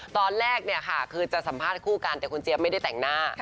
ตอนแรกเนี่ยค่ะคือจะสัมภาษณ์คู่กันแต่คุณเจี๊ยบไม่ได้แต่งหน้า